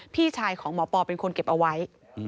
พี่ชายของหมอปอเป็นคนเก็บเอาไว้